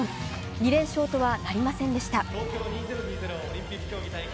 ２連勝とはなりませんでした。